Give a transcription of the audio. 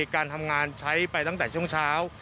การทำงานใช้ไปตั้งแต่ช่วงเช้า